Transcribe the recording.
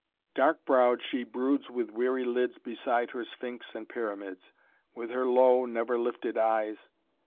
"Dark browed she broods with weary lids Beside her Sphynx and Pyramids, With her low, never lifted eyes.